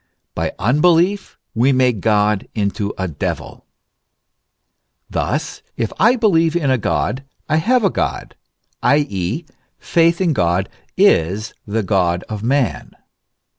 "By unbelief we make God a devil."* Thus, if I believe in a God, I have a God, i.e., faith in God is the God of man.